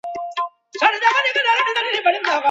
د دوبي لمر بې تودوخي نه وي.